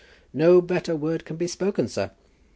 "No better word can be spoken, sir."